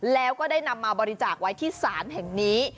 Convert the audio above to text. แล้วก็ได้นำมาบริจาคไว้ที่ศาลแห่งนี้